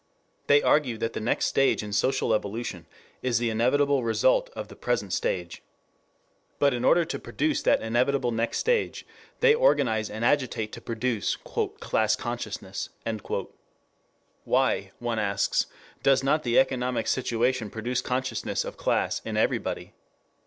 They argue that the next stage in social evolution is the inevitable result of the present stage. But in order to produce that inevitable next stage they organize and agitate to produce "class consciousness." Why, one asks, does not the economic situation produce consciousness of class in everybody?